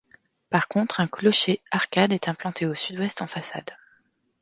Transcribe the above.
Par contre un clocher-arcade est implanté au sud-ouest en façade.